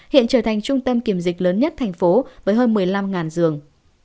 hiện trở thành trung tâm kiểm dịch lớn nhất thành phố với hơn một mươi năm giường